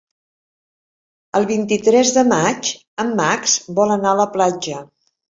El vint-i-tres de maig en Max vol anar a la platja.